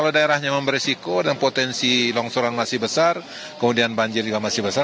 kalau daerahnya memang beresiko dan potensi longsoran masih besar kemudian banjir juga masih besar